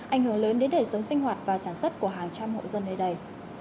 ảnh hưởng lớn đến đời sống sinh hoạt và sản xuất của hàng trăm hộ dân nơi đây